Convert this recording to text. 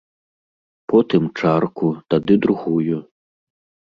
Потым чарку, тады другую.